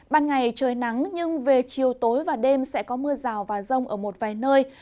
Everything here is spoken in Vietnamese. ban ngày trời nắng nhưng về chiều tối và đêm sẽ có mưa rào và rông ở một vài nơi